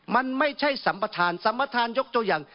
มันไม่ใช่สัมประธานสัมประธานยกตัวอย่าง